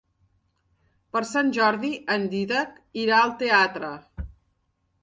Per Sant Jordi en Dídac irà al teatre.